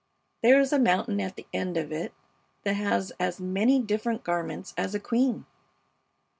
There is a mountain at the end of it that has as many different garments as a queen.